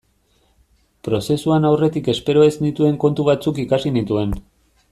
Prozesuan aurretik espero ez nituen kontu batzuk ikasi nituen.